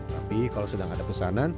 tapi kalau sedang ada pesanan